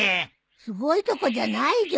すごいとこじゃないじょ。